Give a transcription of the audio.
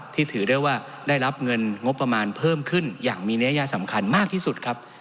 ถือได้ว่าได้รับเงินงบประมาณเพิ่มขึ้นอย่างมีนัยยะสำคัญมากที่สุดครับ